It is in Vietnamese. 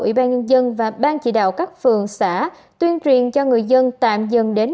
ủy ban nhân dân và ban chỉ đạo các phường xã tuyên truyền cho người dân tạm dừng đến